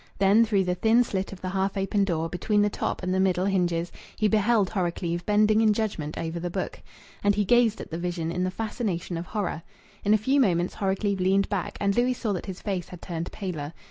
Then through the thin slit of the half open door between the top and the middle hinges, he beheld Horrocleave bending in judgment over the book. And he gazed at the vision in the fascination of horror. In a few moments Horrocleave leaned back, and Louis saw that his face had turned paler.